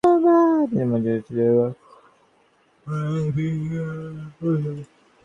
তিনি ছিলেন ওড়ছার রাজপুত্র এবং মহারাজা বীর সিং দেওয়ের পুত্র।